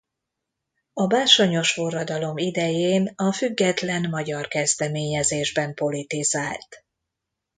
A bársonyos forradalom idején a Független Magyar Kezdeményezésben politizált.